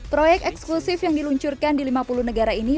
proyek eksklusif yang diluncurkan di lima puluh negara ini